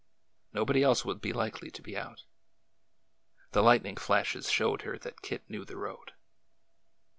Nobody else would be likely to be out. The light ning flashes showed her that Kit knew the road.